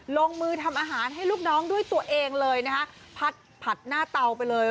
เริ่มกันเลย